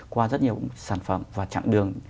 qua rất nhiều sản phẩm và chặng đường